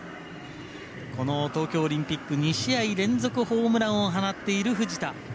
この東京オリンピック２試合連続ホームランを放っている藤田。